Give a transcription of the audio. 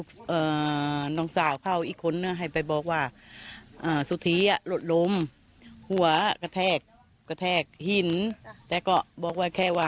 แกนน้องสาวเข้าอีกคนบอกว่าสุธีหลดลมหัวกระแทกเฮียนแค่บอกว่าแกครับ